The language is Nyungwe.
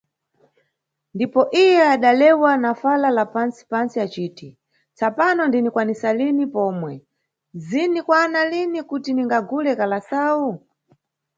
Ndipo iye adalewa na fala la pantsi-pantsi aciti, tsapano ndinikwanisa lini pomwe, zini kwana lini kuti ndigule kalasawu?